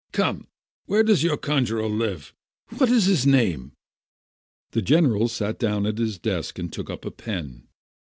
Come, where does your conjuror live? What is his name?" The general sat down at his desk, and took up a pen.